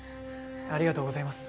ありがとうございます。